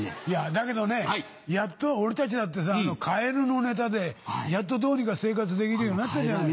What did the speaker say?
だけどねやっと俺たちだってさカエルのネタでどうにか生活できるようになったじゃない。